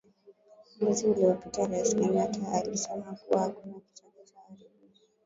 mwezi uliopita Raisi Kenyatta alisema kuwa hakuna kitakacho haribika